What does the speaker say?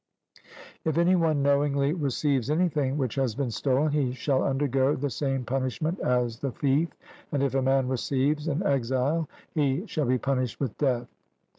If any one knowingly receives anything which has been stolen, he shall undergo the same punishment as the thief, and if a man receives an exile he shall be punished with death.